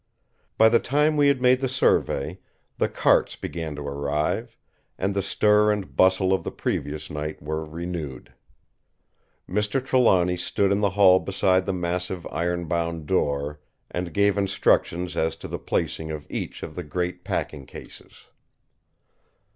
By the time we had made the survey, the carts began to arrive; and the stir and bustle of the previous night were renewed. Mr. Trelawny stood in the hall beside the massive ironbound door, and gave directions as to the placing of each of the great packing cases.